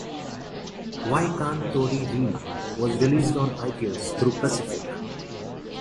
"Y Kant Tori Read" was released on iTunes through Pacific.